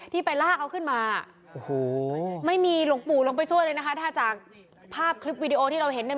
ไปลากเอาขึ้นมาโอ้โหไม่มีหลวงปู่ลงไปช่วยเลยนะคะถ้าจากภาพคลิปวิดีโอที่เราเห็นเนี่ย